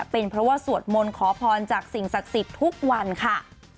เป็นเพราะว่าสวดมนต์ขอพรจากสิ่งศักดิ์สิทธิ์ทุกวันค่ะ